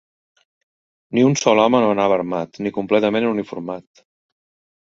Ni un sol home no anava armat, ni completament uniformat